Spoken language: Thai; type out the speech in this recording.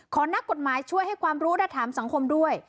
นักกฎหมายช่วยให้ความรู้และถามสังคมด้วย